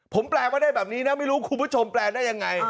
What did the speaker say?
ผมแปลมาได้แบบนี้นะไม่รู้คุณผู้ชมแปลได้ยังไง